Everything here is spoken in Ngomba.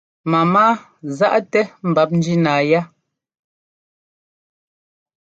Mámaa záʼ-tɛ mbap njínáa yá.